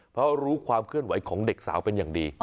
เพราะรู้ความเคลื่อนไหวของเด็กสาวเป็นอย่างดี